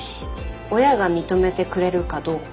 親が認めてくれるかどうか。